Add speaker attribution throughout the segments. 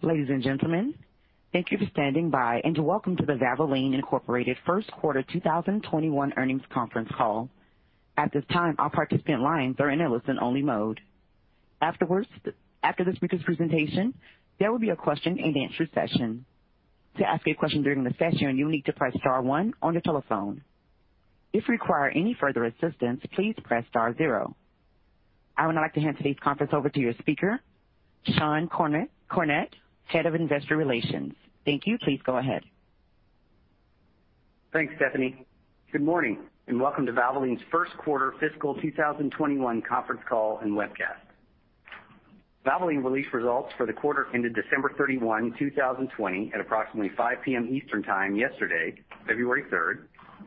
Speaker 1: Ladies and gentlemen, thank you for standing by and welcome to the Valvoline Inc. First Quarter 2021 Earnings Conference Call. At this time, all participant lines are in listen only mode. After this week's presentation, there will be a question and answer session. To ask a question during the session, you will need to press star one on the telephone. If you require any further assistance, please press star zero. I would now like to hand today's conference over to your speaker, Sean Cornett, Head of Investor Relations. Thank you. Please go ahead.
Speaker 2: Thanks, Stephanie. Good morning, and welcome to Valvoline's first quarter fiscal 2021 conference call and webcast. Valvoline released results for the quarter ended December 31, 2020 at approximately 5:00 P.M. Eastern Time yesterday, February 3,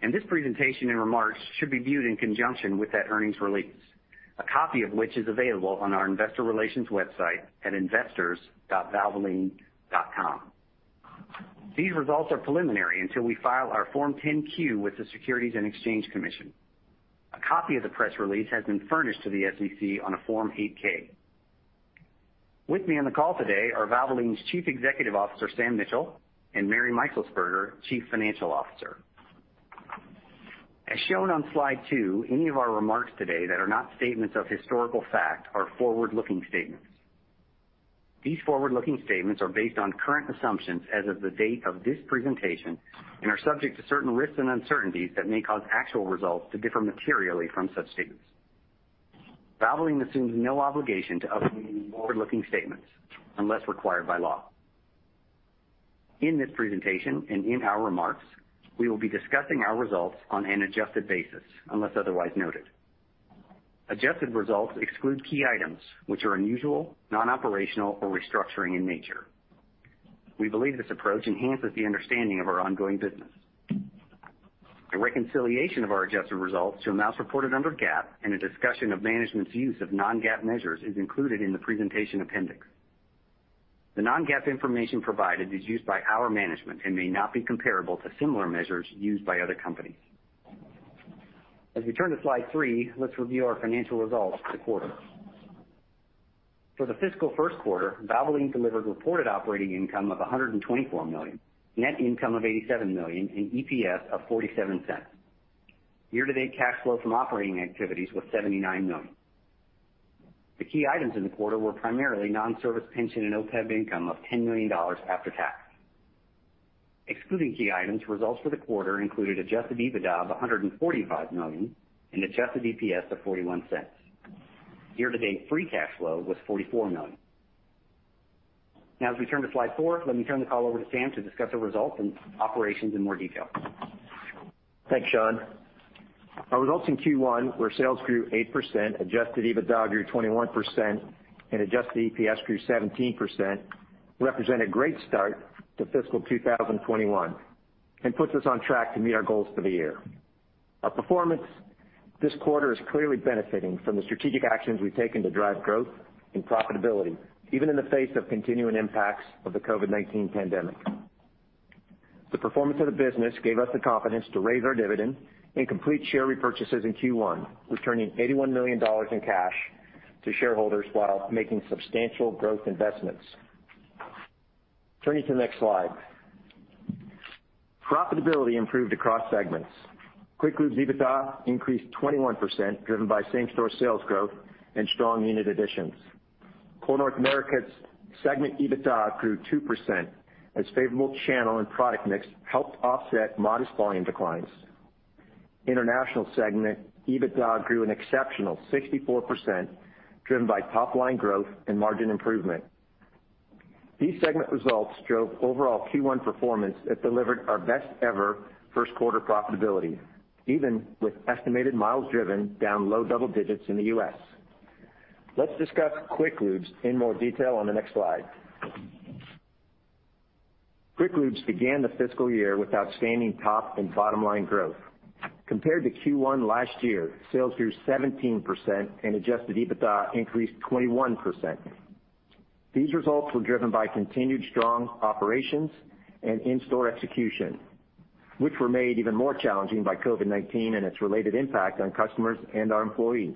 Speaker 2: and this presentation and remarks should be viewed in conjunction with that earnings release, a copy of which is available on our investor relations website at investors.valvoline.com. These results are preliminary until we file our Form 10-Q with the Securities and Exchange Commission. A copy of the press release has been furnished to the SEC on a Form 8-K. With me on the call today are Valvoline's Chief Executive Officer, Sam Mitchell, and Mary Meixelsperger, Chief Financial Officer. As shown on slide two, any of our remarks today that are not statements of historical fact are forward-looking statements. These forward-looking statements are based on current assumptions as of the date of this presentation and are subject to certain risks and uncertainties that may cause actual results to differ materially from such statements. Valvoline assumes no obligation to update any forward-looking statements unless required by law. In this presentation and in our remarks, we will be discussing our results on an adjusted basis, unless otherwise noted. Adjusted results exclude key items which are unusual, non-operational, or restructuring in nature. We believe this approach enhances the understanding of our ongoing business. A reconciliation of our adjusted results to amounts reported under GAAP and a discussion of management's use of non-GAAP measures is included in the presentation appendix. The non-GAAP information provided is used by our management and may not be comparable to similar measures used by other companies. As we turn to slide three, let's review our financial results for the quarter. For the fiscal first quarter, Valvoline delivered reported operating income of $124 million, net income of $87 million, and EPS of $0.47. Year-to-date cash flow from operating activities was $79 million. The key items in the quarter were primarily non-service pension and OPEB income of $10 million after tax. Excluding key items, results for the quarter included Adjusted EBITDA of $145 million and Adjusted EPS of $0.41. Year-to-date free cash flow was $44 million. Now as we turn to slide four, let me turn the call over to Sam to discuss the results and operations in more detail.
Speaker 3: Thanks, Sean. Our results in Q1, where sales grew 8%, Adjusted EBITDA grew 21%, and Adjusted EPS grew 17%, represent a great start to fiscal 2021 and puts us on track to meet our goals for the year. Our performance this quarter is clearly benefiting from the strategic actions we've taken to drive growth and profitability, even in the face of continuing impacts of the COVID-19 pandemic. The performance of the business gave us the confidence to raise our dividend and complete share repurchases in Q1, returning $81 million in cash to shareholders while making substantial growth investments. Turning to the next slide. Profitability improved across segments. Quick Lubes EBITDA increased 21%, driven by same-store sales growth and strong unit additions. Core North America's segment EBITDA grew 2% as favorable channel and product mix helped offset modest volume declines. International segment EBITDA grew an exceptional 64%, driven by top-line growth and margin improvement. These segment results drove overall Q1 performance that delivered our best ever first quarter profitability, even with estimated miles driven down low double digits in the U.S. Let's discuss Quick Lubes in more detail on the next slide. Quick Lubes began the fiscal year with outstanding top and bottom-line growth. Compared to Q1 last year, sales grew 17% and Adjusted EBITDA increased 21%. These results were driven by continued strong operations and in-store execution, which were made even more challenging by COVID-19 and its related impact on customers and our employees.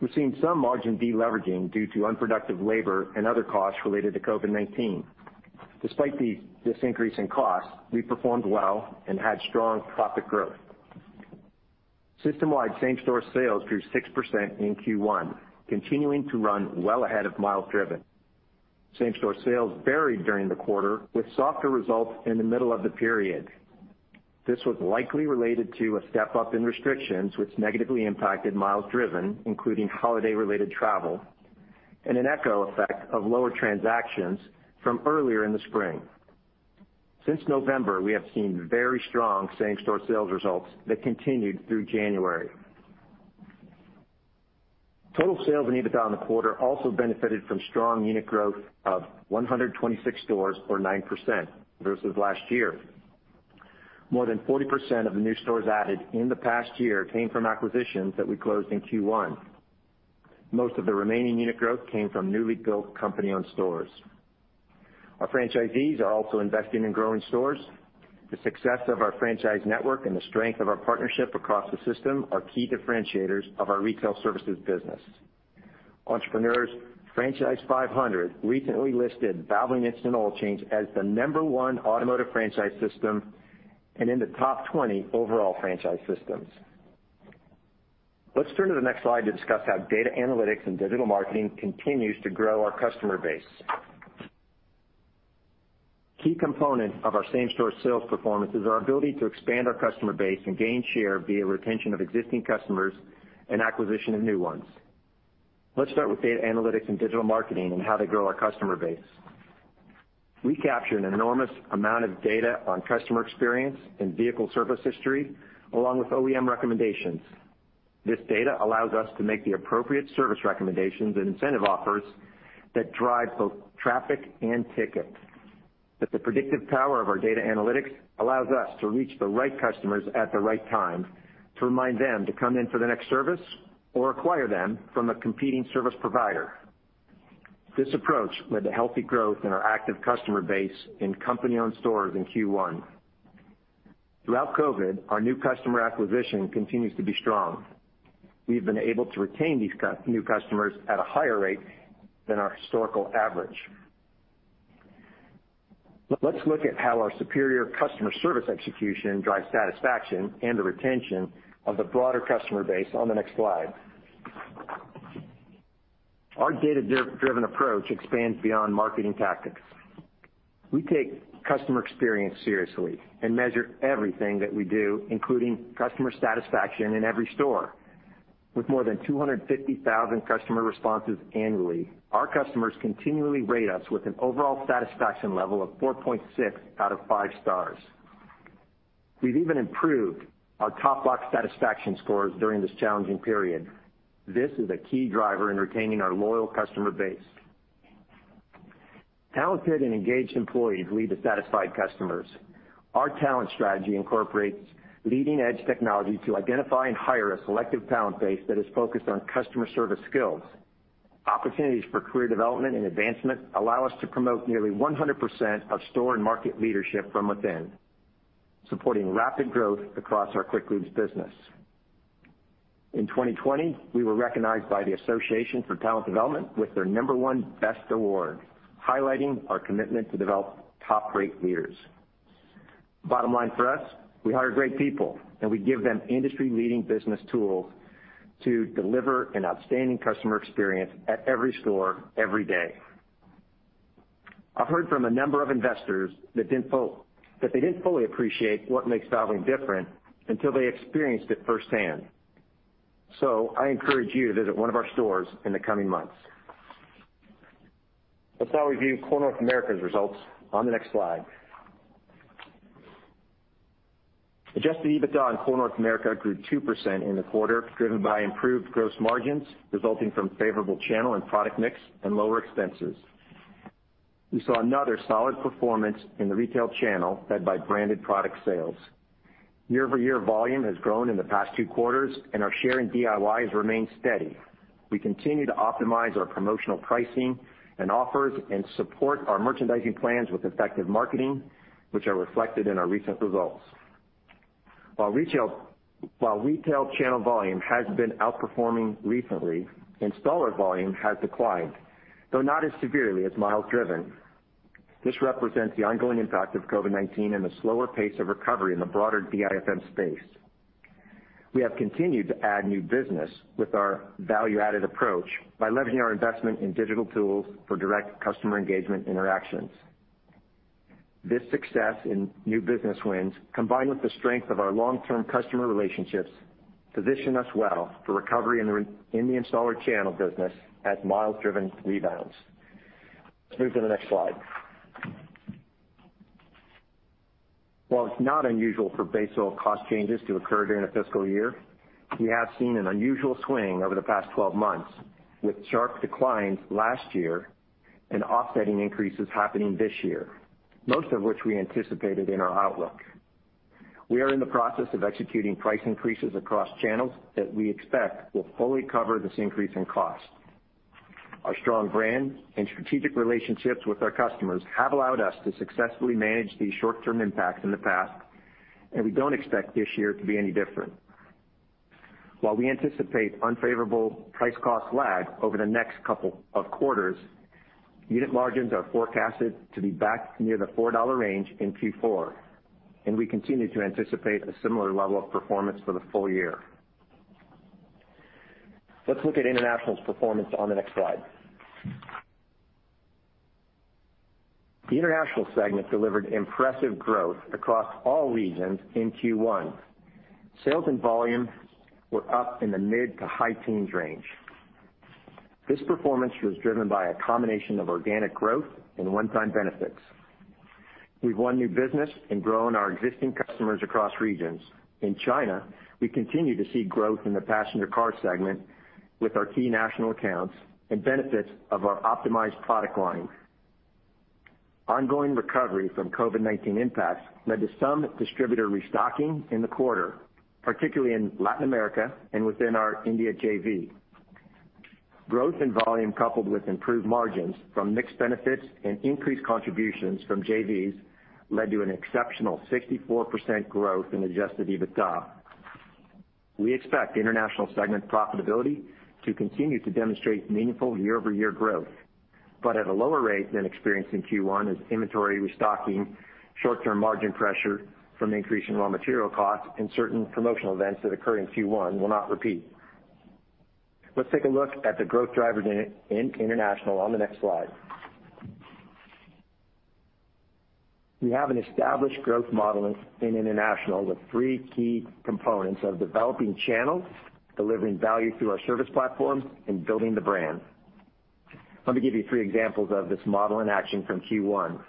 Speaker 3: We've seen some margin de-leveraging due to unproductive labor and other costs related to COVID-19. Despite this increase in cost, we performed well and had strong profit growth. System-wide same-store sales grew 6% in Q1, continuing to run well ahead of miles driven. Same-store sales varied during the quarter, with softer results in the middle of the period. This was likely related to a step-up in restrictions, which negatively impacted miles driven, including holiday-related travel, and an echo effect of lower transactions from earlier in the spring. Since November, we have seen very strong same-store sales results that continued through January. Total sales and EBITDA in the quarter also benefited from strong unit growth of 126 stores or 9% versus last year. More than 40% of the new stores added in the past year came from acquisitions that we closed in Q1. Most of the remaining unit growth came from newly built company-owned stores. Our franchisees are also investing in growing stores. The success of our franchise network and the strength of our partnership across the system are key differentiators of our retail services business. Entrepreneur's Franchise 500 recently listed Valvoline Instant Oil Change as the number 1 automotive franchise system and in the top 20 overall franchise systems. Let's turn to the next slide to discuss how data analytics and digital marketing continues to grow our customer base. Key component of our same-store sales performance is our ability to expand our customer base and gain share via retention of existing customers and acquisition of new ones. Let's start with data analytics and digital marketing and how they grow our customer base. We capture an enormous amount of data on customer experience and vehicle service history, along with OEM recommendations. This data allows us to make the appropriate service recommendations and incentive offers that drive both traffic and tickets. The predictive power of our data analytics allows us to reach the right customers at the right time to remind them to come in for the next service or acquire them from a competing service provider. This approach led to healthy growth in our active customer base in company-owned stores in Q1. Throughout COVID, our new customer acquisition continues to be strong. We've been able to retain these new customers at a higher rate than our historical average. Let's look at how our superior customer service execution drives satisfaction and the retention of the broader customer base on the next slide. Our data-driven approach expands beyond marketing tactics. We take customer experience seriously and measure everything that we do, including customer satisfaction in every store. With more than 250,000 customer responses annually, our customers continually rate us with an overall satisfaction level of 4.6 out of five stars. We've even improved our top box satisfaction scores during this challenging period. This is a key driver in retaining our loyal customer base. Talented and engaged employees lead to satisfied customers. Our talent strategy incorporates leading-edge technology to identify and hire a selective talent base that is focused on customer service skills. Opportunities for career development and advancement allow us to promote nearly 100% of store and market leadership from within, supporting rapid growth across our Quick Lube business. In 2020, we were recognized by the Association for Talent Development with their number one BEST Award, highlighting our commitment to develop top-rate leaders. Bottom line for us, we hire great people, and we give them industry-leading business tools to deliver an outstanding customer experience at every store, every day. I've heard from a number of investors that they didn't fully appreciate what makes Valvoline different until they experienced it firsthand. I encourage you to visit one of our stores in the coming months. Let's now review Core North America's results on the next slide. Adjusted EBITDA in Core North America grew 2% in the quarter, driven by improved gross margins resulting from favorable channel and product mix and lower expenses. We saw another solid performance in the retail channel led by branded product sales. Year-over-year volume has grown in the past two quarters, and our share in DIY has remained steady. We continue to optimize our promotional pricing and offers and support our merchandising plans with effective marketing, which are reflected in our recent results. While retail channel volume has been outperforming recently, installer volume has declined, though not as severely as miles driven. This represents the ongoing impact of COVID-19 and the slower pace of recovery in the broader DIFM space. We have continued to add new business with our value-added approach by leveraging our investment in digital tools for direct customer engagement interactions. This success in new business wins, combined with the strength of our long-term customer relationships, position us well for recovery in the installer channel business as miles driven rebounds. Let's move to the next slide. While it's not unusual for base oil cost changes to occur during a fiscal year, we have seen an unusual swing over the past 12 months, with sharp declines last year and offsetting increases happening this year, most of which we anticipated in our outlook. We are in the process of executing price increases across channels that we expect will fully cover this increase in cost. Our strong brand and strategic relationships with our customers have allowed us to successfully manage these short-term impacts in the past, and we don't expect this year to be any different. While we anticipate unfavorable price cost lag over the next couple of quarters, unit margins are forecasted to be back near the $4 range in Q4, and we continue to anticipate a similar level of performance for the full year. Let's look at International's performance on the next slide. The International segment delivered impressive growth across all regions in Q1. Sales and volume were up in the mid to high teens range. This performance was driven by a combination of organic growth and one-time benefits. We've won new business and grown our existing customers across regions. In China, we continue to see growth in the passenger car segment with our key national accounts and benefits of our optimized product line. Ongoing recovery from COVID-19 impacts led to some distributor restocking in the quarter, particularly in Latin America and within our India JV. Growth in volume, coupled with improved margins from mix benefits and increased contributions from JVs, led to an exceptional 64% growth in Adjusted EBITDA. We expect International segment profitability to continue to demonstrate meaningful year-over-year growth, but at a lower rate than experienced in Q1 as inventory restocking, short-term margin pressure from increasing raw material costs, and certain promotional events that occur in Q1 will not repeat. Let's take a look at the growth drivers in International on the next slide. We have an established growth model in International with 3 key components of developing channels, delivering value through our service platform, and building the brand. Let me give you 3 examples of this model in action from Q1.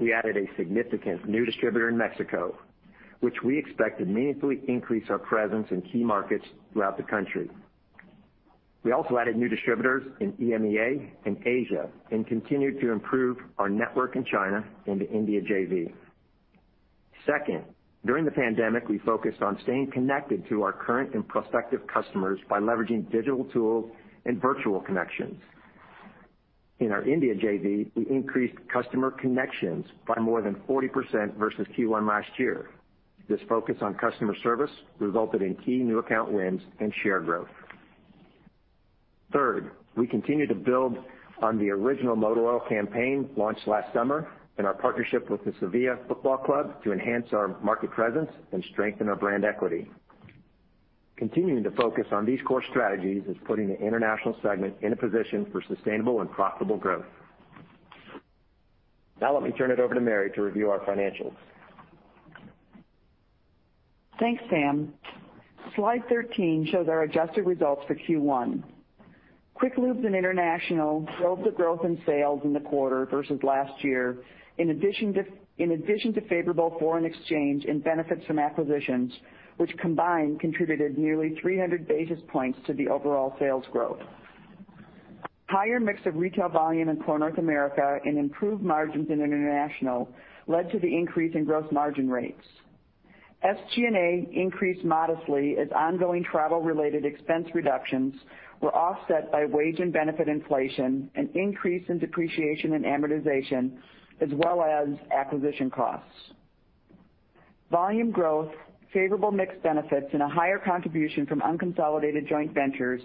Speaker 3: We added a significant new distributor in Mexico, which we expect to meaningfully increase our presence in key markets throughout the country. We also added new distributors in EMEA and Asia and continued to improve our network in China and the India JV. During the pandemic, we focused on staying connected to our current and prospective customers by leveraging digital tools and virtual connections. In our India JV, we increased customer connections by more than 40% versus Q1 last year. This focus on customer service resulted in key new account wins and share growth. Third, we continue to build on the Original Motor Oil campaign launched last summer and our partnership with the Sevilla Football Club to enhance our market presence and strengthen our brand equity. Continuing to focus on these core strategies is putting the International segment in a position for sustainable and profitable growth. Now let me turn it over to Mary to review our financials.
Speaker 4: Thanks, Sam. Slide 13 shows our adjusted results for Q1. Quick Lubes and International drove the growth in sales in the quarter versus last year, in addition to favorable foreign exchange and benefits from acquisitions, which combined contributed nearly 300 basis points to the overall sales growth. Higher mix of retail volume in Core North America and improved margins in International led to the increase in gross margin rates. SG&A increased modestly as ongoing travel-related expense reductions were offset by wage and benefit inflation and increase in depreciation and amortization, as well as acquisition costs. Volume growth, favorable mix benefits, and a higher contribution from unconsolidated joint ventures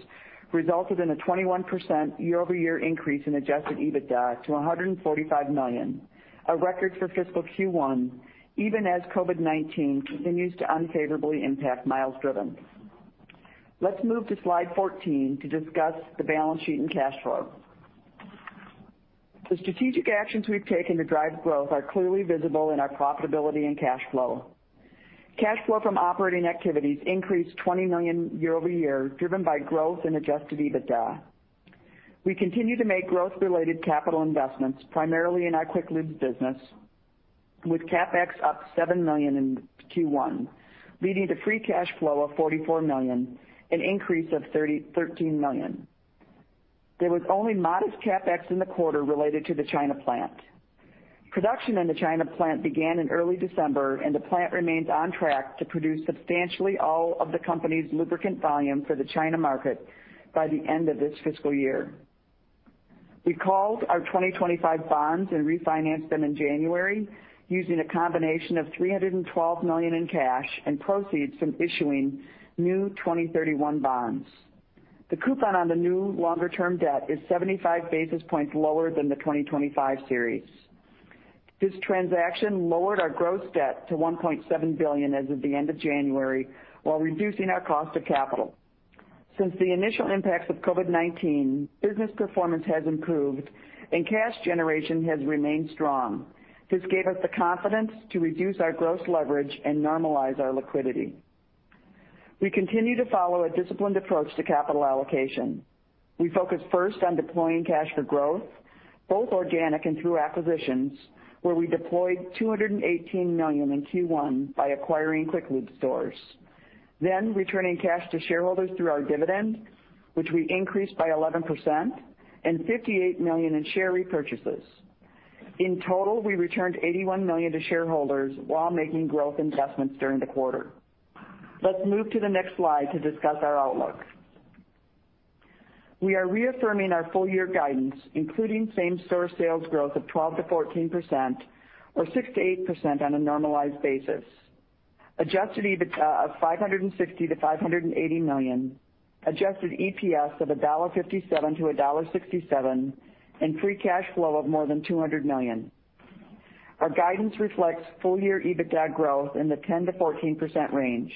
Speaker 4: resulted in a 21% year-over-year increase in Adjusted EBITDA to $145 million, a record for fiscal Q1, even as COVID-19 continues to unfavorably impact miles driven. Let's move to slide 14 to discuss the balance sheet and cash flow. The strategic actions we've taken to drive growth are clearly visible in our profitability and cash flow. Cash flow from operating activities increased $20 million year-over-year, driven by growth in Adjusted EBITDA. We continue to make growth-related capital investments, primarily in our Quick Lube business, with CapEx up $7 million in Q1, leading to free cash flow of $44 million, an increase of $13 million. There was only modest CapEx in the quarter related to the China plant. Production in the China plant began in early December, and the plant remains on track to produce substantially all of the company's lubricant volume for the China market by the end of this fiscal year. We called our 2025 bonds and refinanced them in January using a combination of $312 million in cash and proceeds from issuing new 2031 bonds. The coupon on the new longer-term debt is 75 basis points lower than the 2025 bonds. This transaction lowered our gross debt to $1.7 billion as of the end of January while reducing our cost of capital. Since the initial impacts of COVID-19, business performance has improved, and cash generation has remained strong. This gave us the confidence to reduce our gross leverage and normalize our liquidity. We continue to follow a disciplined approach to capital allocation. We focus first on deploying cash for growth, both organic and through acquisitions, where we deployed $218 million in Q1 by acquiring Quick Lube stores, returning cash to shareholders through our dividend, which we increased by 11%, and $58 million in share repurchases. In total, we returned $81 million to shareholders while making growth investments during the quarter. Let's move to the next slide to discuss our outlook. We are reaffirming our full-year guidance, including same-store sales growth of 12%-14%, or 6%-8% on a normalized basis, Adjusted EBITDA of $560 million-$580 million, Adjusted EPS of $1.57-$1.67, and free cash flow of more than $200 million. Our guidance reflects full-year EBITDA growth in the 10%-14% range.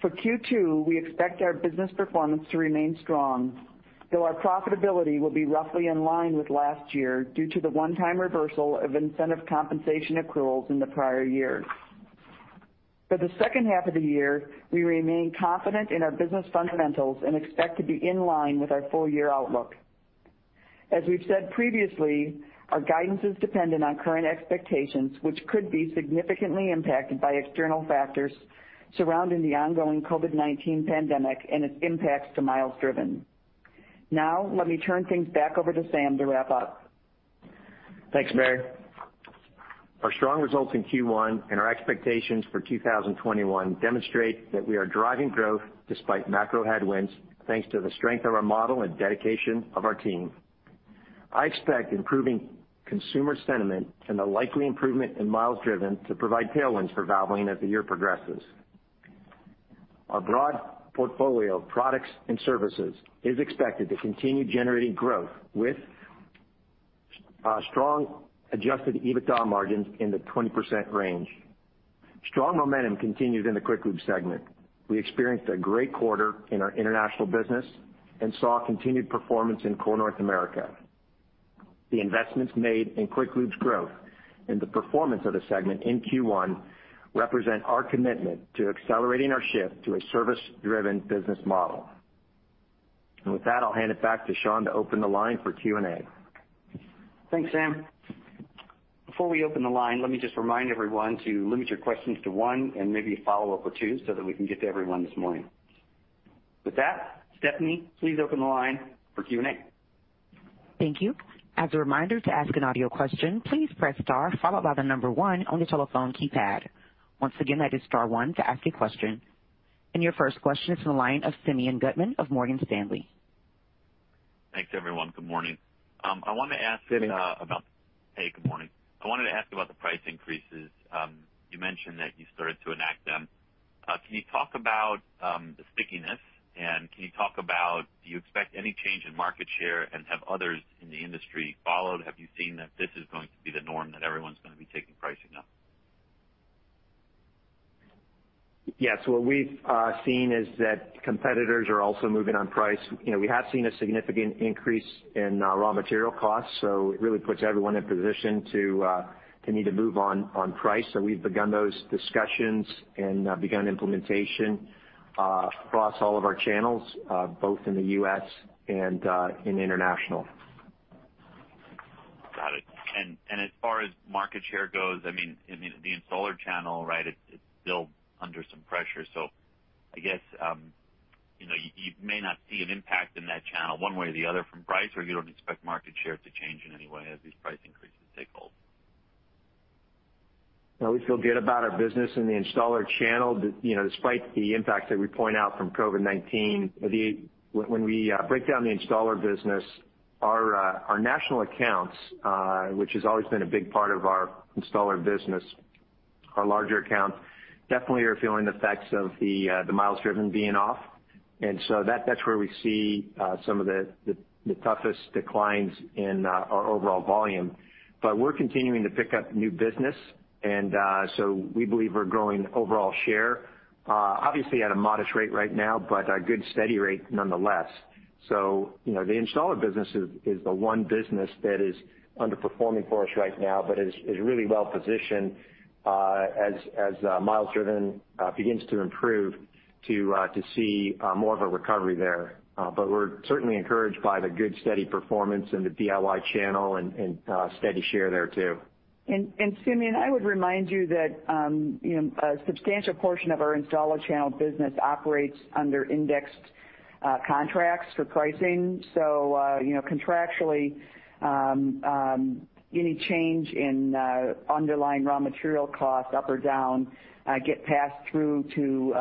Speaker 4: For Q2, we expect our business performance to remain strong, though our profitability will be roughly in line with last year due to the one-time reversal of incentive compensation accruals in the prior year. For the second half of the year, we remain confident in our business fundamentals and expect to be in line with our full-year outlook. As we've said previously, our guidance is dependent on current expectations, which could be significantly impacted by external factors surrounding the ongoing COVID-19 pandemic and its impacts to miles driven. Now, let me turn things back over to Sam to wrap up.
Speaker 3: Thanks, Mary. Our strong results in Q1 and our expectations for 2021 demonstrate that we are driving growth despite macro headwinds, thanks to the strength of our model and dedication of our team. I expect improving consumer sentiment and the likely improvement in miles driven to provide tailwinds for Valvoline as the year progresses. Our broad portfolio of products and services is expected to continue generating growth with strong Adjusted EBITDA margins in the 20% range. Strong momentum continued in the Quick Lubes segment. We experienced a great quarter in our International business and saw continued performance in Core North America. The investments made in Quick Lubes' growth and the performance of the segment in Q1 represent our commitment to accelerating our shift to a service-driven business model. With that, I'll hand it back to Sean to open the line for Q&A.
Speaker 2: Thanks, Sam. Before we open the line, let me just remind everyone to limit your questions to one and maybe a follow-up or two so that we can get to everyone this morning. With that, Stephanie, please open the line for Q&A.
Speaker 1: Thank you. As a reminder, to ask an audio question, please press star followed by the number one on your telephone keypad. Once again, that is star one to ask a question. Your first question is from the line of Simeon Gutman of Morgan Stanley.
Speaker 5: Thanks, everyone. Good morning.
Speaker 3: Simeon.
Speaker 5: Hey, good morning. I wanted to ask about the price increases. You mentioned that you started to enact them. Can you talk about the stickiness and can you talk about, do you expect any change in market share and have others in the industry followed? Have you seen that this is going to be the norm, that everyone's going to be taking pricing now?
Speaker 3: Yes. What we've seen is that competitors are also moving on price. We have seen a significant increase in raw material costs, it really puts everyone in position to need to move on price. We've begun those discussions and begun implementation across all of our channels, both in the U.S. and in International.
Speaker 5: Got it. As far as market share goes, the installer channel, it's still under some pressure. I guess, you may not see an impact in that channel one way or the other from price, or you don't expect market share to change in any way as these price increases take hold?
Speaker 3: No, we feel good about our business in the installer channel despite the impacts that we point out from COVID-19. We break down the installer business, our national accounts, which has always been a big part of our installer business, our larger accounts definitely are feeling the effects of the miles driven being off. That's where we see some of the toughest declines in our overall volume. We're continuing to pick up new business, we believe we're growing overall share, obviously at a modest rate right now, but a good steady rate nonetheless. The installer business is the one business that is underperforming for us right now, but is really well positioned as miles driven begins to improve to see more of a recovery there. We're certainly encouraged by the good, steady performance in the DIY channel and steady share there, too.
Speaker 4: Simeon, I would remind you that a substantial portion of our installer channel business operates under indexed contracts for pricing. Contractually, any change in underlying raw material cost up or down get passed through to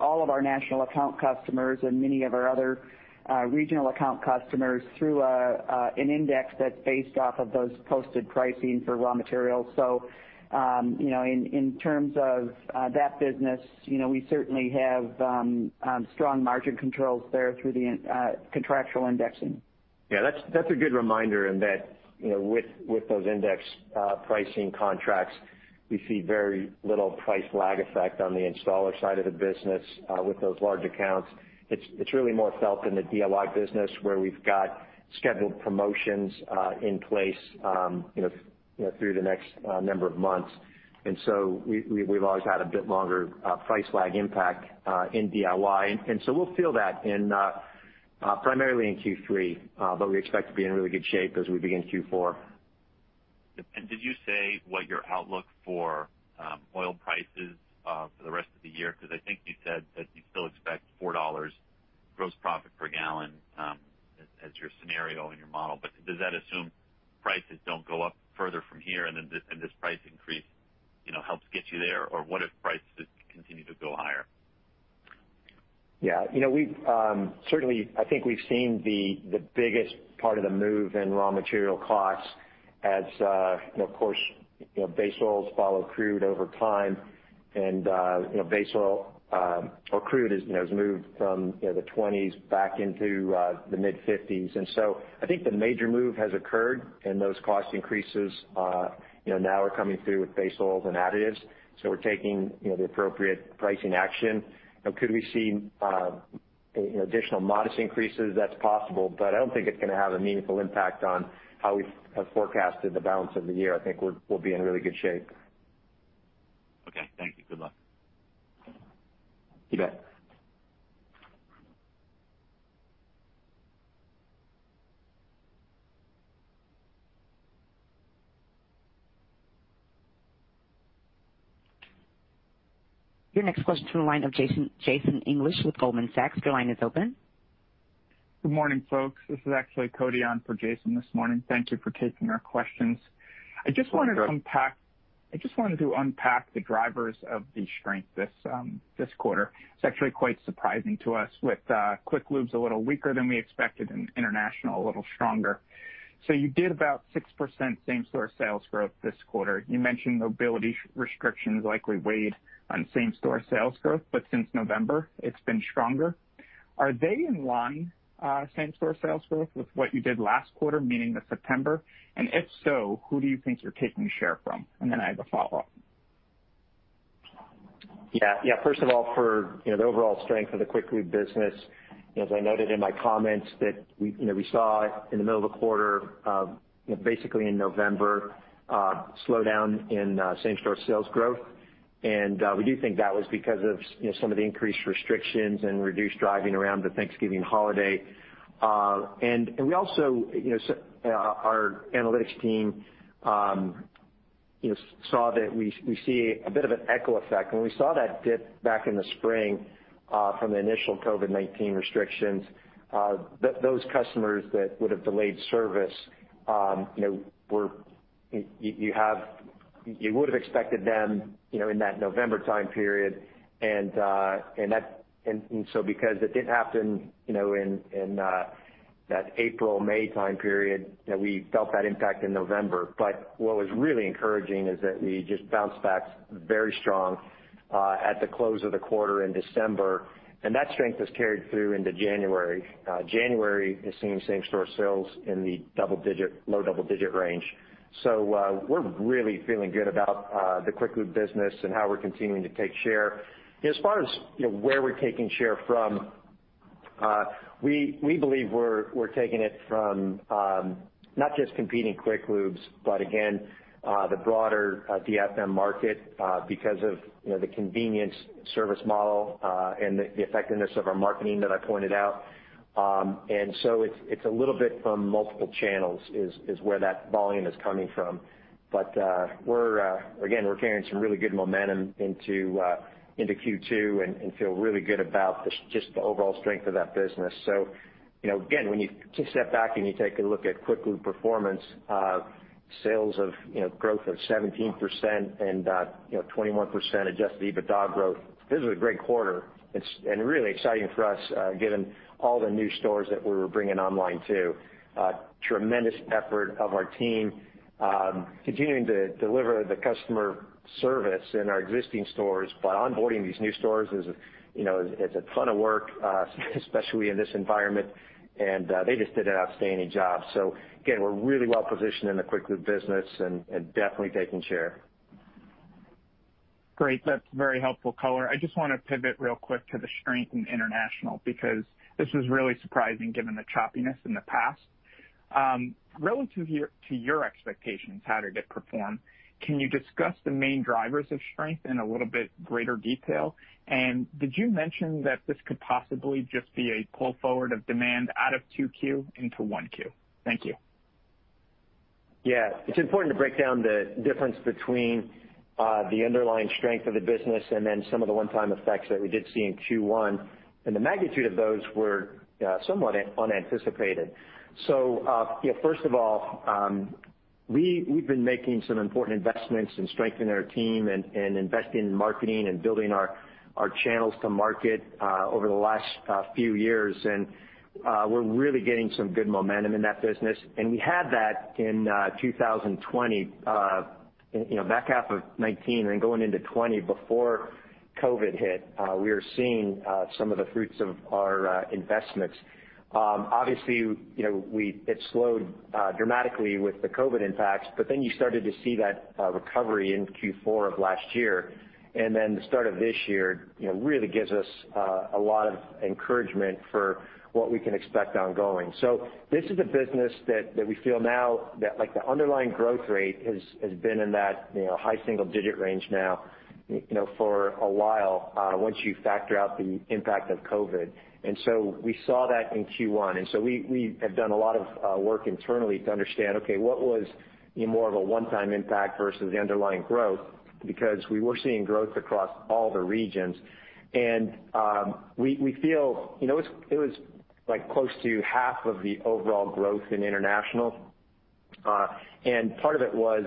Speaker 4: all of our national account customers and many of our other regional account customers through an index that's based off of those posted pricing for raw materials. In terms of that business, we certainly have strong margin controls there through the contractual indexing.
Speaker 3: Yeah, that's a good reminder in that, with those index pricing contracts, we see very little price lag effect on the installer side of the business with those large accounts. It's really more felt in the DIY business where we've got scheduled promotions in place through the next number of months. We've always had a bit longer price lag impact in DIY. We'll feel that primarily in Q3, but we expect to be in really good shape as we begin Q4.
Speaker 5: Did you say what your outlook for oil price is for the rest of the year? I think you said that you still expect $4 gross profit per gallon as your scenario in your model. Does that assume prices don't go up further from here and this price increase helps get you there? What if prices continue to go higher?
Speaker 3: Yeah. Certainly, I think we've seen the biggest part of the move in raw material costs as, of course, base oils follow crude over time. Base oil or crude has moved from the 20s back into the mid 50s. I think the major move has occurred and those cost increases now are coming through with base oils and additives. We're taking the appropriate pricing action. Could we see additional modest increases? That's possible, but I don't think it's going to have a meaningful impact on how we have forecasted the balance of the year. I think we'll be in really good shape.
Speaker 5: Okay, thank you. Good luck.
Speaker 3: You bet.
Speaker 1: Your next question from the line of Jason English with Goldman Sachs. Your line is open.
Speaker 6: Good morning, folks. This is actually Cody on for Jason this morning. Thank you for taking our questions.
Speaker 3: Sure.
Speaker 6: I just wanted to unpack the drivers of the strength this quarter. It's actually quite surprising to us with Quick Lubes a little weaker than we expected, and International a little stronger. You did about 6% same-store sales growth this quarter. You mentioned mobility restrictions likely weighed on same-store sales growth, but since November, it's been stronger. Are they in line, same-store sales growth, with what you did last quarter, meaning the September? If so, who do you think you're taking share from? Then I have a follow-up.
Speaker 3: Yeah. First of all, for the overall strength of the Quick Lubes business, as I noted in my comments that we saw in the middle of the quarter, basically in November, a slowdown in same-store sales growth. We do think that was because of some of the increased restrictions and reduced driving around the Thanksgiving holiday. Our analytics team saw that we see a bit of an echo effect. When we saw that dip back in the spring, from the initial COVID-19 restrictions, those customers that would've delayed service, you would've expected them in that November time period, because it didn't happen in that April, May time period, that we felt that impact in November. What was really encouraging is that we just bounced back very strong, at the close of the quarter in December, and that strength has carried through into January. January is seeing same-store sales in the low double-digit range. We're really feeling good about the Quick Lube business and how we're continuing to take share. As far as where we're taking share from, we believe we're taking it from, not just competing Quick Lubes, but again, the broader DIFM market, because of the convenience service model, and the effectiveness of our marketing that I pointed out. It's a little bit from multiple channels is where that volume is coming from. Again, we're carrying some really good momentum into Q2 and feel really good about just the overall strength of that business. Again, when you step back and you take a look at Quick Lube performance, sales of growth of 17% and 21% Adjusted EBITDA growth, this was a great quarter. Really exciting for us, given all the new stores that we were bringing online, too. A tremendous effort of our team, continuing to deliver the customer service in our existing stores by onboarding these new stores is a ton of work, especially in this environment, and they just did an outstanding job. Again, we're really well-positioned in the Quick Lube business and definitely taking share.
Speaker 6: Great. That's very helpful color. I just want to pivot real quick to the strength in International, because this was really surprising given the choppiness in the past. Relative to your expectations, how did it perform? Can you discuss the main drivers of strength in a little bit greater detail? Did you mention that this could possibly just be a pull forward of demand out of 2Q into 1Q? Thank you.
Speaker 3: It's important to break down the difference between the underlying strength of the business and then some of the one-time effects that we did see in Q1, and the magnitude of those were somewhat unanticipated. First of all, we've been making some important investments in strengthening our team and investing in marketing and building our channels to market, over the last few years. We're really getting some good momentum in that business. We had that in 2020, back half of 2019 and going into 2020 before COVID-19 hit, we were seeing some of the fruits of our investments. Obviously, it slowed dramatically with the COVID-19 impacts, you started to see that recovery in Q4 of last year. The start of this year really gives us a lot of encouragement for what we can expect ongoing. This is a business that we feel now that the underlying growth rate has been in that high single-digit range now for a while, once you factor out the impact of COVID-19. We saw that in Q1, we have done a lot of work internally to understand, okay, what was more of a one-time impact versus the underlying growth? Because we were seeing growth across all the regions. We feel it was close to half of the overall growth in International. Part of it was,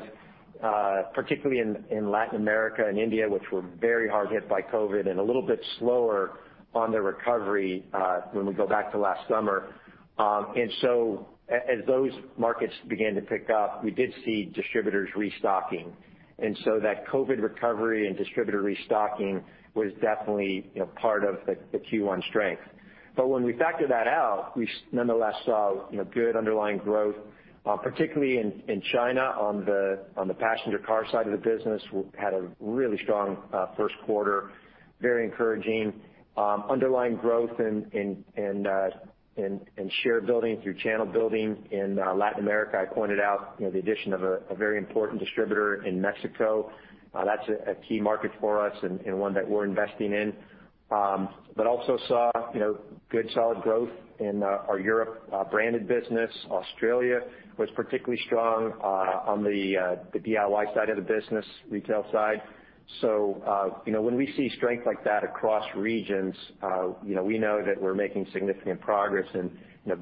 Speaker 3: particularly in Latin America and India, which were very hard hit by COVID-19 and a little bit slower on the recovery, when we go back to last summer. As those markets began to pick up, we did see distributors restocking. That COVID-19 recovery and distributor restocking was definitely part of the Q1 strength. When we factor that out, we nonetheless saw good underlying growth, particularly in China on the passenger car side of the business. We had a really strong first quarter, very encouraging. Underlying growth in share building through channel building in Latin America. I pointed out the addition of a very important distributor in Mexico. That's a key market for us and one that we're investing in. Also saw good solid growth in our Europe branded business. Australia was particularly strong on the DIY side of the business, retail side. When we see strength like that across regions, we know that we're making significant progress in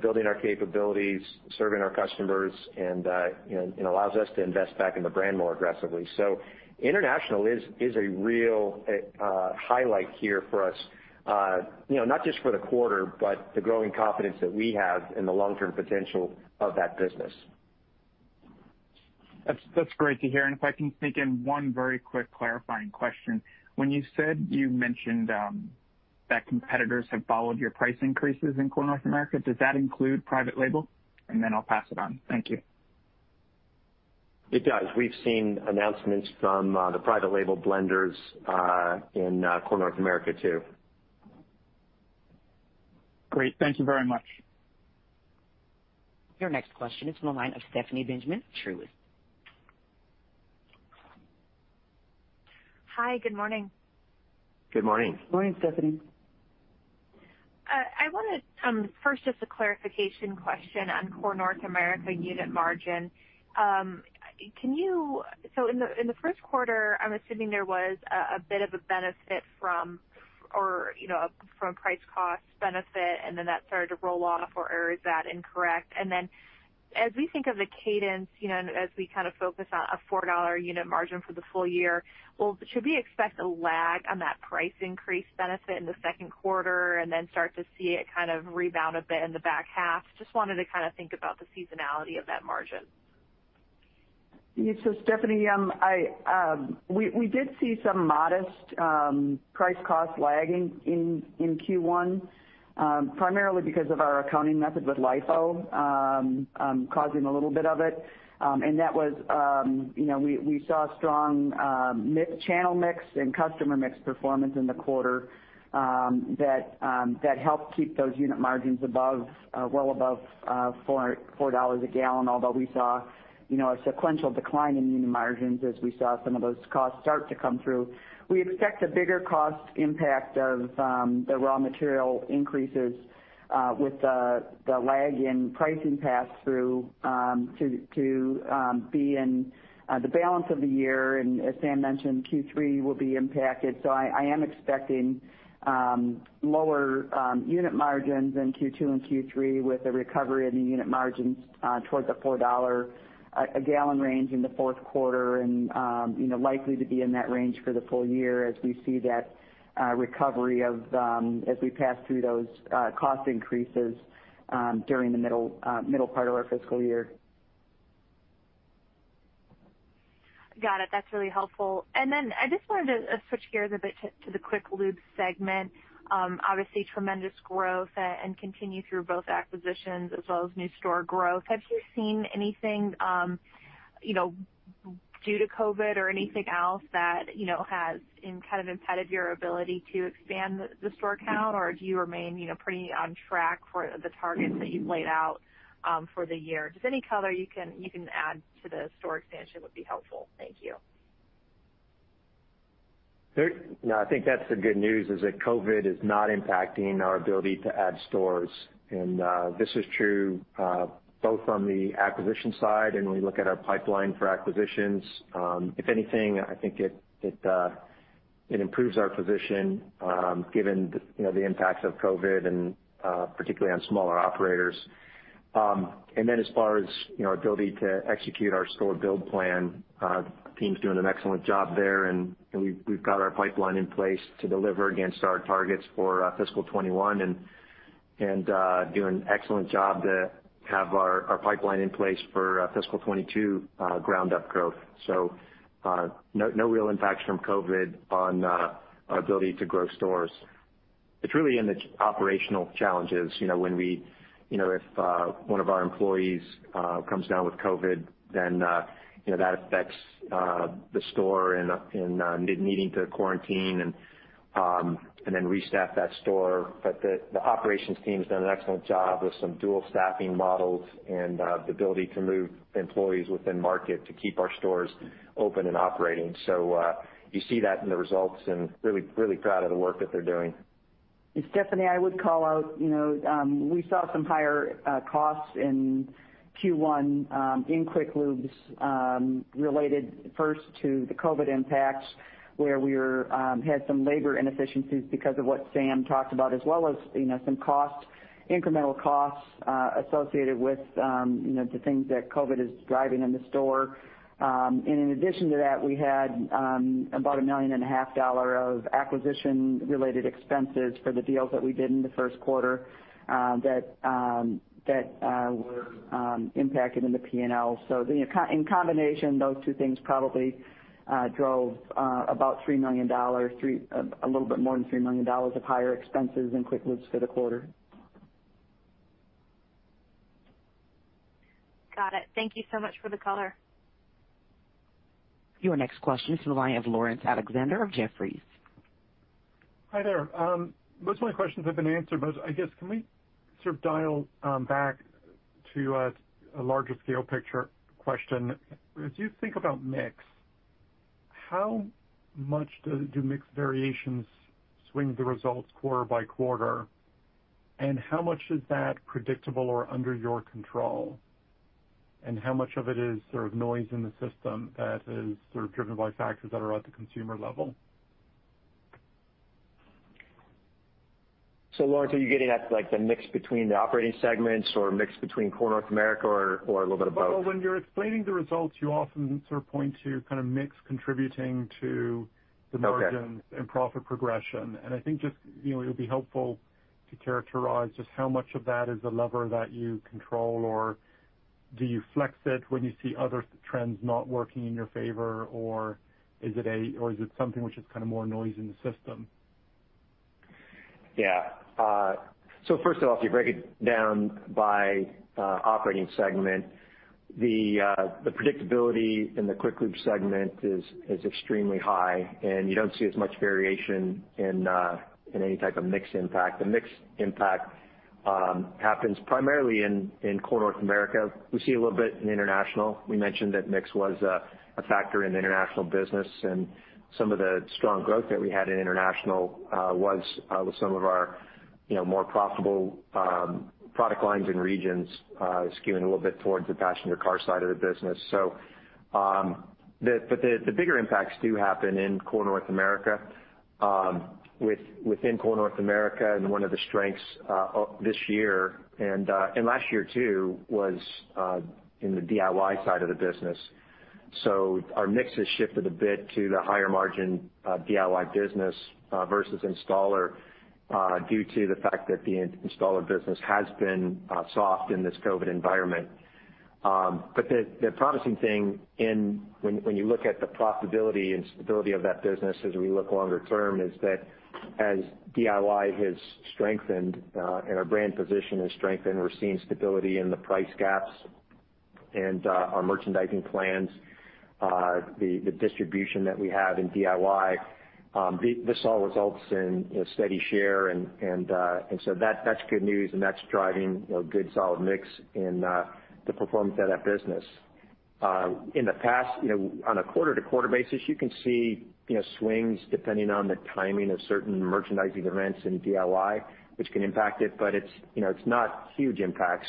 Speaker 3: building our capabilities, serving our customers, and it allows us to invest back in the brand more aggressively. International is a real highlight here for us, not just for the quarter, but the growing confidence that we have in the long-term potential of that business.
Speaker 6: That's great to hear. If I can sneak in one very quick clarifying question. When you said you mentioned that competitors have followed your price increases in Core North America, does that include private label? Then I'll pass it on. Thank you.
Speaker 3: It does. We've seen announcements from the private label blenders in Core North America too.
Speaker 6: Great. Thank you very much.
Speaker 1: Your next question is from the line of Stephanie Benjamin, Truist.
Speaker 7: Hi. Good morning.
Speaker 3: Good morning.
Speaker 4: Good morning, Stephanie.
Speaker 7: I want to first just a clarification question on Core North America unit margin. In the first quarter, I'm assuming there was a bit of a benefit from price cost benefit, then that started to roll off, or is that incorrect? Then as we think of the cadence, as we kind of focus on a $4 unit margin for the full year, should we expect a lag on that price increase benefit in the second quarter then start to see it kind of rebound a bit in the back half? Just wanted to kind of think about the seasonality of that margin.
Speaker 4: Yeah. Stephanie, we did see some modest price cost lagging in Q1 primarily because of our accounting method with LIFO causing a little bit of it. We saw strong channel mix and customer mix performance in the quarter that helped keep those unit margins well above $4 a gallon, although we saw a sequential decline in unit margins as we saw some of those costs start to come through. We expect a bigger cost impact of the raw material increases with the lag in pricing pass-through to be in the balance of the year. As Sam mentioned, Q3 will be impacted. I am expecting lower unit margins in Q2 and Q3 with a recovery in the unit margins towards the $4 a gallon range in the fourth quarter and likely to be in that range for the full year as we see that recovery as we pass through those cost increases during the middle part of our fiscal year.
Speaker 7: Got it. That's really helpful. I just wanted to switch gears a bit to the Quick Lubes segment. Obviously, tremendous growth and continue through both acquisitions as well as new store growth. Have you seen anything due to COVID-19 or anything else that has impacted your ability to expand the store count, or do you remain pretty on track for the targets that you've laid out for the year? Just any color you can add to the store expansion would be helpful. Thank you.
Speaker 3: No, I think that's the good news, is that COVID is not impacting our ability to add stores. This is true both on the acquisition side and when we look at our pipeline for acquisitions. If anything, I think it improves our position given the impacts of COVID and particularly on smaller operators. As far as our ability to execute our store build plan, team's doing an excellent job there, and we've got our pipeline in place to deliver against our targets for fiscal 2021, and do an excellent job to have our pipeline in place for fiscal 2022 ground-up growth. No real impacts from COVID on our ability to grow stores. It's really in the operational challenges. If one of our employees comes down with COVID, then that affects the store and needing to quarantine and then restaff that store. The operations team's done an excellent job with some dual staffing models and the ability to move employees within market to keep our stores open and operating. You see that in the results and really proud of the work that they're doing.
Speaker 4: Stephanie, I would call out, we saw some higher costs in Q1 in Quick Lubes related first to the COVID-19 impacts, where we had some labor inefficiencies because of what Sam talked about, as well as some incremental costs associated with the things that COVID-19 is driving in the store. In addition to that, we had about $1.5 million of acquisition-related expenses for the deals that we did in the first quarter that were impacted in the P&L. In combination, those two things probably drove about $3 million, a little bit more than $3 million of higher expenses in Quick Lubes for the quarter.
Speaker 7: Got it. Thank you so much for the color.
Speaker 1: Your next question is from the line of Laurence Alexander of Jefferies.
Speaker 8: Hi there. Most of my questions have been answered, I guess, can we sort of dial back to a larger scale picture question, as you think about mix, how much do mix variations swing the results quarter by quarter? How much is that predictable or under your control? How much of it is sort of noise in the system that is sort of driven by factors that are at the consumer level?
Speaker 3: Laurence, are you getting at like the mix between the operating segments or mix between Core North America or a little bit of both?
Speaker 8: Well, when you're explaining the results, you often sort of point to kind of mix contributing to the.
Speaker 3: Okay
Speaker 8: margins and profit progression. I think just, it'll be helpful to characterize just how much of that is a lever that you control, or do you flex it when you see other trends not working in your favor, or is it something which is kind of more noise in the system?
Speaker 3: Yeah. First of all, if you break it down by operating segment, the predictability in the Quick Lubes segment is extremely high, and you don't see as much variation in any type of mix impact. The mix impact happens primarily in Core North America. We see a little bit in International. We mentioned that mix was a factor in the International business, and some of the strong growth that we had in International, was with some of our more profitable product lines and regions, skewing a little bit towards the passenger car side of the business. The bigger impacts do happen in Core North America. Within Core North America and one of the strengths this year and last year too was in the DIY side of the business. Our mix has shifted a bit to the higher margin DIY business versus installer, due to the fact that the installer business has been soft in this COVID environment. The promising thing when you look at the profitability and stability of that business as we look longer term, is that as DIY has strengthened, and our brand position has strengthened, we're seeing stability in the price gaps and our merchandising plans, the distribution that we have in DIY. This all results in steady share and so that's good news and that's driving a good solid mix in the performance of that business. In the past, on a quarter-to-quarter basis, you can see swings depending on the timing of certain merchandising events in DIY, which can impact it, but it's not huge impacts.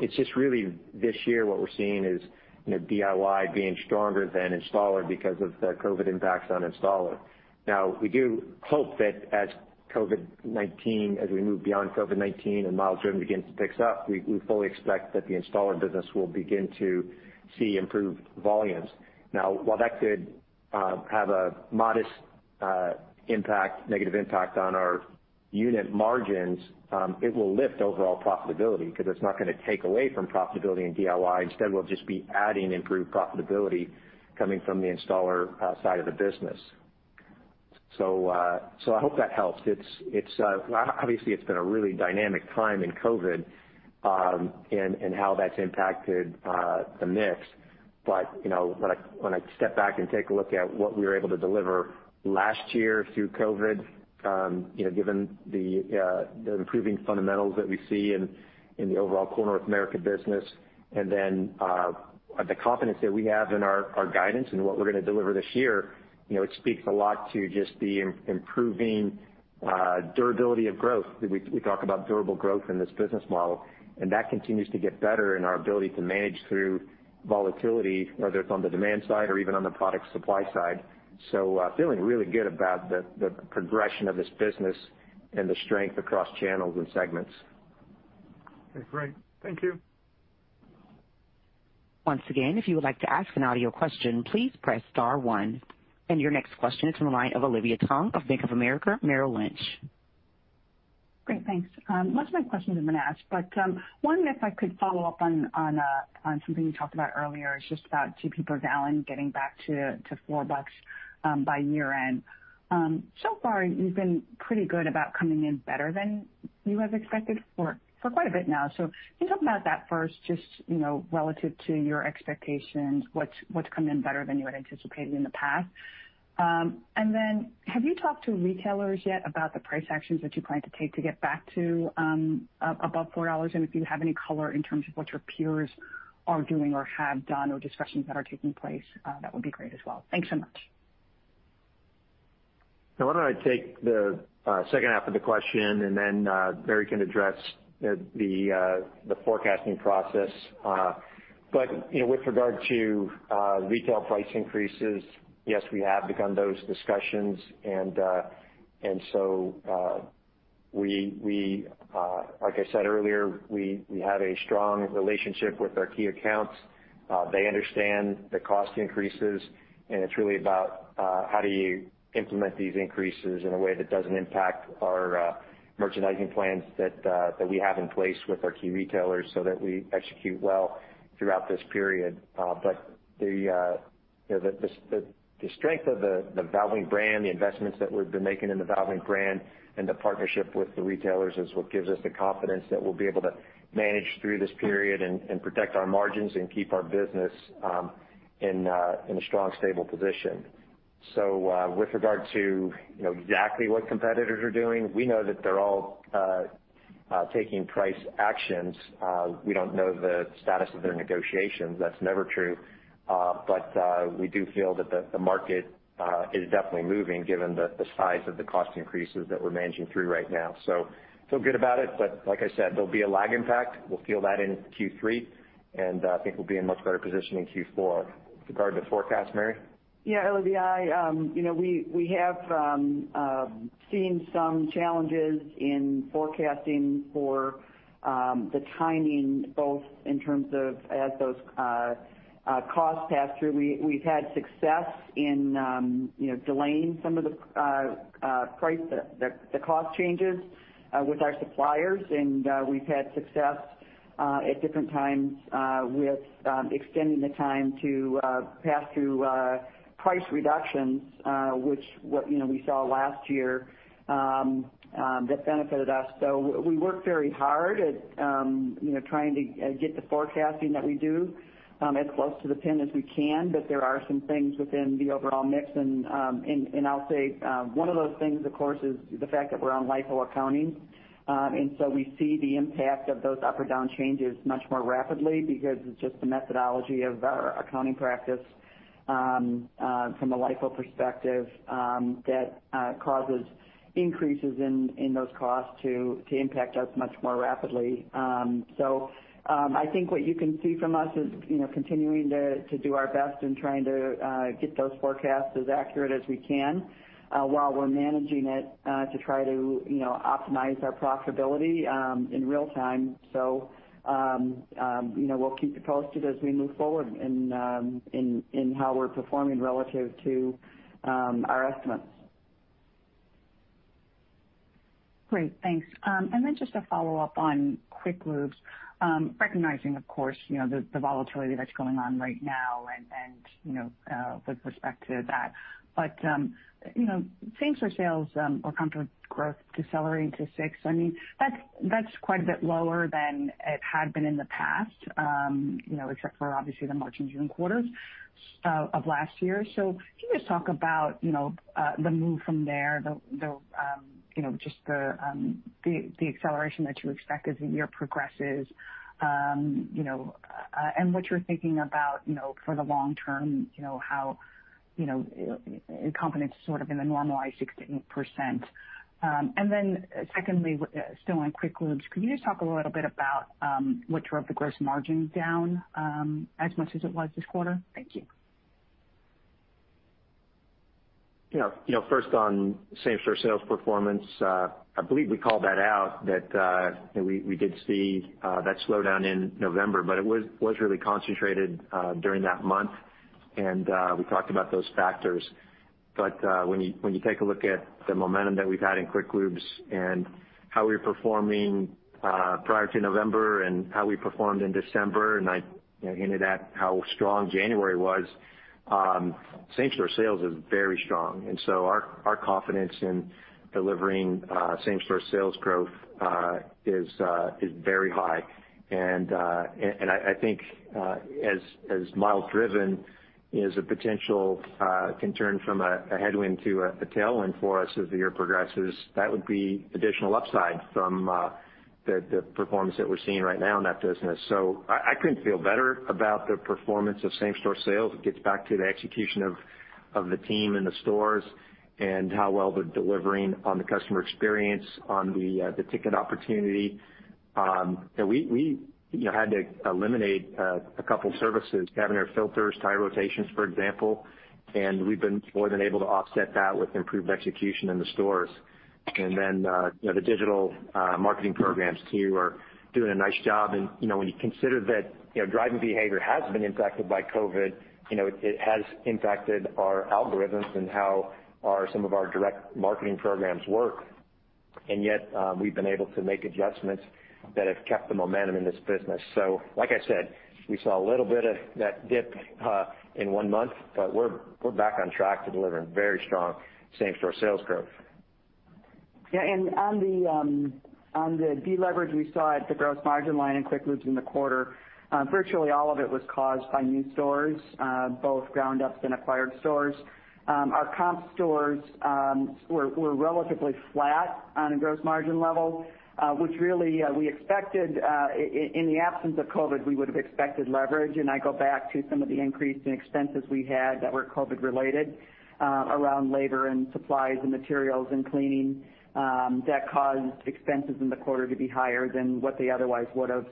Speaker 3: It's just really this year what we're seeing is DIY being stronger than installer because of the COVID impacts on installer. Now, we do hope that as we move beyond COVID-19 and miles driven begins to pick up, we fully expect that the installer business will begin to see improved volumes. Now, while that could have a modest negative impact on our unit margins, it will lift overall profitability because it's not going to take away from profitability in DIY. Instead, we'll just be adding improved profitability coming from the installer side of the business. I hope that helps. Obviously, it's been a really dynamic time in COVID, and how that's impacted the mix. When I step back and take a look at what we were able to deliver last year through COVID, given the improving fundamentals that we see in the overall Core North America business, the confidence that we have in our guidance and what we're going to deliver this year, it speaks a lot to just the improving durability of growth. We talk about durable growth in this business model, and that continues to get better in our ability to manage through volatility, whether it's on the demand side or even on the product supply side. Feeling really good about the progression of this business and the strength across channels and segments.
Speaker 8: Okay, great. Thank you.
Speaker 1: Once again, if you would like to ask an audio question, please press star one. Your next question is from the line of Olivia Tong of Bank of America Merrill Lynch.
Speaker 9: Great, thanks. Most of my questions have been asked. One if I could follow up on something you talked about earlier is just about GP per gallon getting back to $4 by year-end. Far, you've been pretty good about coming in better than you have expected for quite a bit now. Can you talk about that first, just relative to your expectations, what's come in better than you had anticipated in the past? Have you talked to retailers yet about the price actions that you plan to take to get back to above $4? If you have any color in terms of what your peers are doing or have done or discussions that are taking place, that would be great as well. Thanks so much.
Speaker 3: Why don't I take the second half of the question and then Mary can address the forecasting process. With regard to retail price increases, yes, we have begun those discussions. Like I said earlier, we have a strong relationship with our key accounts. They understand the cost increases, and it's really about how do you implement these increases in a way that doesn't impact our merchandising plans that we have in place with our key retailers so that we execute well throughout this period. The strength of the Valvoline brand, the investments that we've been making in the Valvoline brand and the partnership with the retailers is what gives us the confidence that we'll be able to manage through this period and protect our margins and keep our business in a strong, stable position. With regard to exactly what competitors are doing, we know that they're all taking price actions. We don't know the status of their negotiations. That's never true. We do feel that the market is definitely moving given the size of the cost increases that we're managing through right now. Feel good about it, but like I said, there'll be a lag impact. We'll feel that in Q3, and I think we'll be in much better position in Q4. With regard to the forecast, Mary?
Speaker 4: Olivia, we have seen some challenges in forecasting for the timing, both in terms of as those cost pass-through. We've had success in delaying some of the cost changes with our suppliers, and we've had success at different times with extending the time to pass through price reductions, which we saw last year, that benefited us. We work very hard at trying to get the forecasting that we do as close to the pin as we can, but there are some things within the overall mix and I'll say one of those things, of course, is the fact that we're on LIFO accounting. We see the impact of those up or down changes much more rapidly because it's just the methodology of our accounting practice from a LIFO perspective, that causes increases in those costs to impact us much more rapidly. I think what you can see from us is continuing to do our best in trying to get those forecasts as accurate as we can, while we're managing it, to try to optimize our profitability in real-time. We'll keep you posted as we move forward in how we're performing relative to our estimates.
Speaker 9: Great. Thanks. Then just a follow-up on Quick Lubes, recognizing, of course, the volatility that's going on right now and with respect to that. Same-store sales or comp growth decelerating to 6%, that's quite a bit lower than it had been in the past, except for obviously the March and June quarters of last year. Can you just talk about the move from there, just the acceleration that you expect as the year progresses, and what you're thinking about for the long term, how confidence sort of in the normalized 16%. Then secondly, still on Quick Lubes, can you just talk a little bit about what drove the gross margin down as much as it was this quarter? Thank you.
Speaker 3: First on same-store sales performance, I believe we called that out that we did see that slowdown in November, but it was really concentrated during that month, and we talked about those factors. When you take a look at the momentum that we've had in Quick Lubes and how we were performing prior to November and how we performed in December, I hinted at how strong January was, same-store sales is very strong. Our confidence in delivering same-store sales growth is very high. I think as miles driven is a potential can turn from a headwind to a tailwind for us as the year progresses, that would be additional upside from the performance that we're seeing right now in that business. I couldn't feel better about the performance of same-store sales. It gets back to the execution of the team in the stores and how well they're delivering on the customer experience, on the ticket opportunity. We had to eliminate a couple services, cabin air filters, tire rotations, for example, we've more than able to offset that with improved execution in the stores. The digital marketing programs too are doing a nice job. When you consider that driving behavior has been impacted by COVID, it has impacted our algorithms and how some of our direct marketing programs work. Yet, we've been able to make adjustments that have kept the momentum in this business. Like I said, we saw a little bit of that dip in one month, we're back on track to delivering very strong same-store sales growth.
Speaker 4: Yeah. On the de-leverage we saw at the gross margin line in Quick Lubes in the quarter, virtually all of it was caused by new stores, both ground-ups and acquired stores. Our comp stores were relatively flat on a gross margin level, which really, in the absence of COVID, we would have expected leverage. I go back to some of the increase in expenses we had that were COVID related around labor and supplies and materials and cleaning, that caused expenses in the quarter to be higher than what they otherwise would have.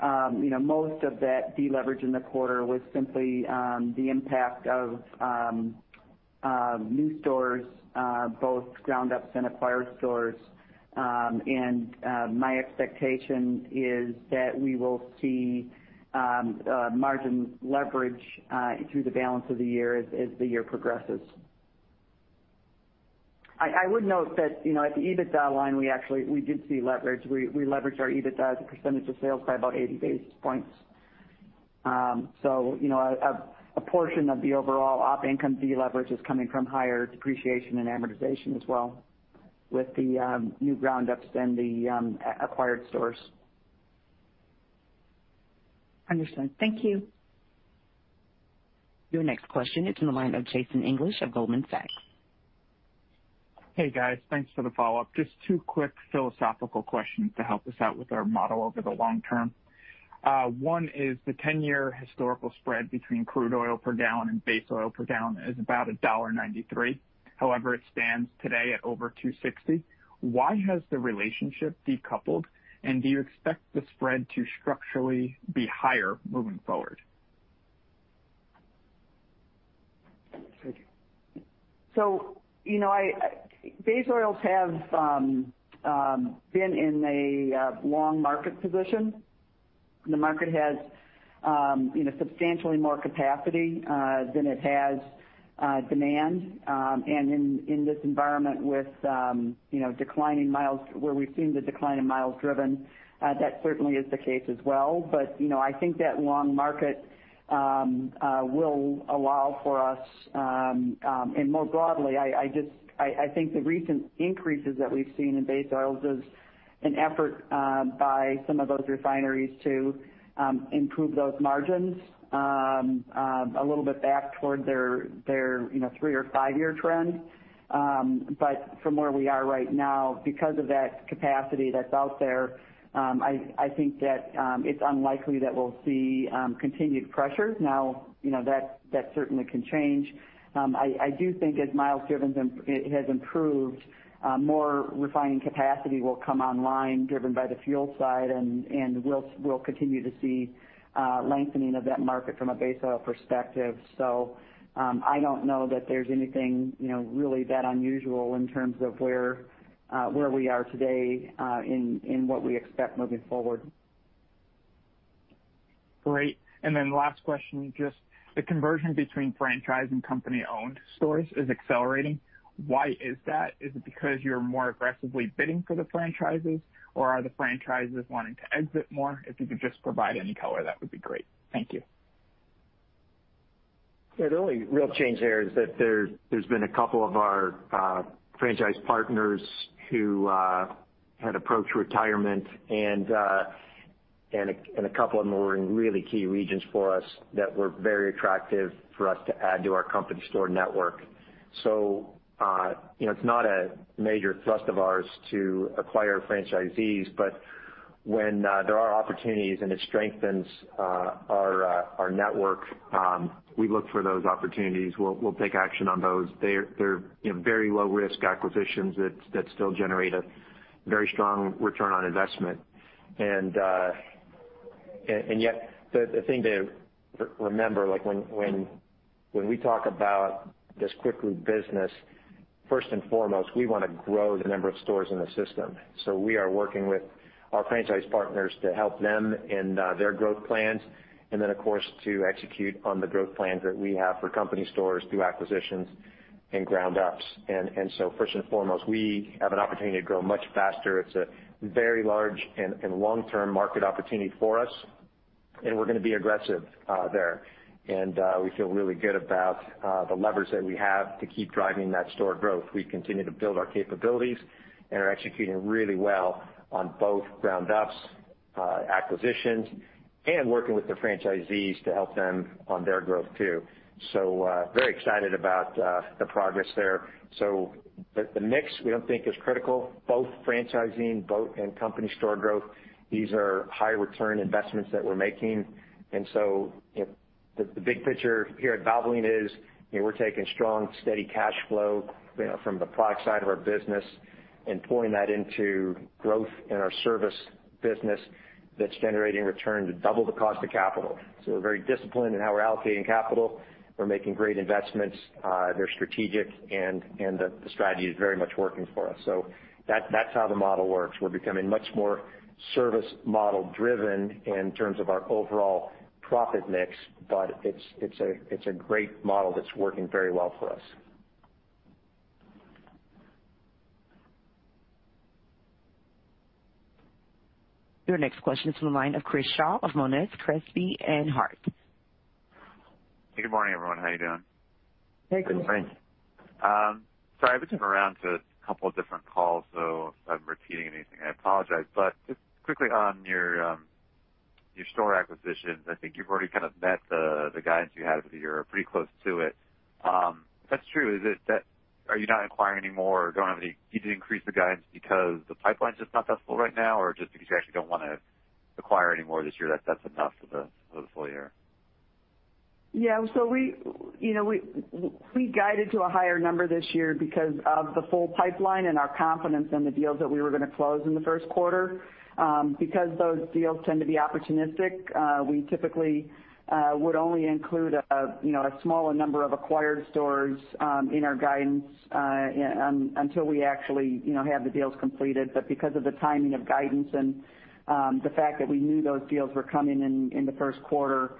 Speaker 4: Most of that de-leverage in the quarter was simply the impact of new stores, both ground-ups and acquired stores. My expectation is that we will see margin leverage through the balance of the year as the year progresses. I would note that at the EBITDA line, we did see leverage. We leveraged our EBITDA as a % of sales by about 80 basis points. A portion of the overall op income de-leverage is coming from higher depreciation and amortization as well with the new ground-ups and the acquired stores. Understood. Thank you.
Speaker 1: Your next question is on the line of Jason English of Goldman Sachs.
Speaker 6: Hey, guys. Thanks for the follow-up. Just two quick philosophical questions to help us out with our model over the long term. One is the 10-year historical spread between crude oil per gallon and base oil per gallon is about $1.93. However, it stands today at over $2.60. Why has the relationship decoupled, and do you expect the spread to structurally be higher moving forward?
Speaker 4: Base oils have been in a long market position. The market has substantially more capacity than it has demand. In this environment where we've seen the decline in miles driven, that certainly is the case as well. I think that long market will allow for us And more broadly, I think the recent increases that we've seen in base oils is an effort by some of those refineries to improve those margins a little bit back toward their three or five-year trend. From where we are right now, because of that capacity that's out there, I think that it's unlikely that we'll see continued pressure. That certainly can change. I do think as miles driven has improved, more refining capacity will come online, driven by the fuel side, and we'll continue to see lengthening of that market from a base oil perspective. I don't know that there's anything really that unusual in terms of where we are today in what we expect moving forward.
Speaker 6: Great. Last question, just the conversion between franchise and company-owned stores is accelerating. Why is that? Is it because you're more aggressively bidding for the franchises, or are the franchises wanting to exit more? If you could just provide any color, that would be great. Thank you.
Speaker 3: The only real change there is that there's been a couple of our franchise partners who had approached retirement, and a couple of them were in really key regions for us that were very attractive for us to add to our company store network. It's not a major thrust of ours to acquire franchisees, but when there are opportunities and it strengthens our network, we look for those opportunities. We'll take action on those. They're very low-risk acquisitions that still generate a very strong return on investment. The thing to remember, when we talk about this Quick Lubes business, first and foremost, we want to grow the number of stores in the system. We are working with our franchise partners to help them in their growth plans and then, of course, to execute on the growth plans that we have for company stores through acquisitions and ground-ups. First and foremost, we have an opportunity to grow much faster. It's a very large and long-term market opportunity for us, and we're going to be aggressive there. We feel really good about the levers that we have to keep driving that store growth. We continue to build our capabilities and are executing really well on both ground-ups, acquisitions, and working with the franchisees to help them on their growth, too. Very excited about the progress there. The mix we don't think is critical, both franchising and company store growth. These are high return investments that we're making. The big picture here at Valvoline is we're taking strong, steady cash flow from the product side of our business and pouring that into growth in our service business that's generating return to double the cost of capital. We're very disciplined in how we're allocating capital. We're making great investments. They're strategic, and the strategy is very much working for us. That's how the model works. We're becoming much more service model driven in terms of our overall profit mix, but it's a great model that's working very well for us.
Speaker 1: Your next question is from the line of Chris Shaw of Monness, Crespi and Hardt.
Speaker 10: Good morning, everyone. How you doing?
Speaker 3: Hey, Chris.
Speaker 4: Good morning.
Speaker 10: Sorry, I've been jumping around to a couple of different calls, so if I'm repeating anything, I apologize. Just quickly on your store acquisitions, I think you've already kind of met the guidance you had for the year or pretty close to it. If that's true, are you not acquiring any more, or did you increase the guidance because the pipeline's just not that full right now, or just because you actually don't want to acquire any more this year, that's enough for the full year?
Speaker 4: Yeah, we guided to a higher number this year because of the full pipeline and our confidence in the deals that we were going to close in the first quarter. Those deals tend to be opportunistic, we typically would only include a smaller number of acquired stores in our guidance until we actually have the deals completed. Because of the timing of guidance and the fact that we knew those deals were coming in the first quarter,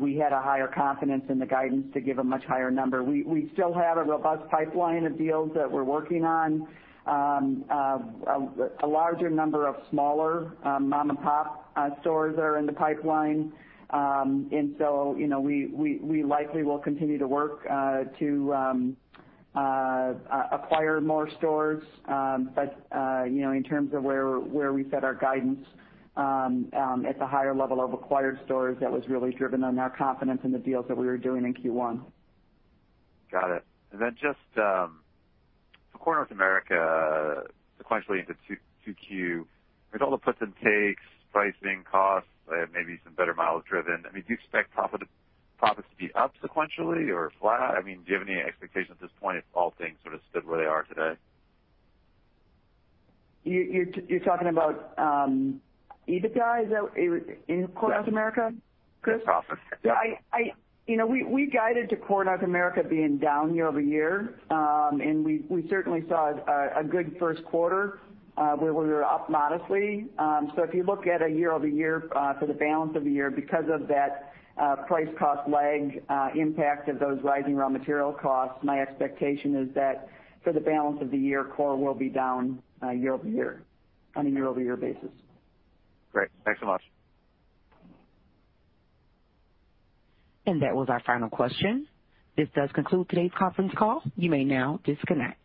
Speaker 4: we had a higher confidence in the guidance to give a much higher number. We still have a robust pipeline of deals that we're working on. A larger number of smaller mom-and-pop stores are in the pipeline. We likely will continue to work to acquire more stores. In terms of where we set our guidance at the higher level of acquired stores, that was really driven on our confidence in the deals that we were doing in Q1.
Speaker 10: Got it. Then just for Core North America sequentially into 2Q, with all the puts and takes, pricing, costs, maybe some better miles driven, do you expect profits to be up sequentially or flat? Do you have any expectation at this point if all things sort of stood where they are today?
Speaker 4: You're talking about EBITDA in Core North America, Chris?
Speaker 10: Yes, profit.
Speaker 4: We guided to Core North America being down year-over-year. We certainly saw a good first quarter where we were up modestly. If you look at a year-over-year for the balance of the year, because of that price cost lag impact of those rising raw material costs, my expectation is that for the balance of the year, Core will be down on a year-over-year basis.
Speaker 10: Great. Thanks so much.
Speaker 1: That was our final question. This does conclude today's conference call. You may now disconnect.